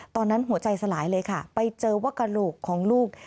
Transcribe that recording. ตอนนั้นหัวใจสลายเลยค่ะไปเจอว่ากระโหลกของลูก